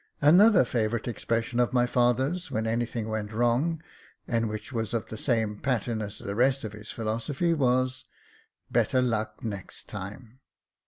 Another favourite expression of my father's when anything went wrong, and which was of the same pattern as the rest of his philosophy, was, ^^ Better luck next time."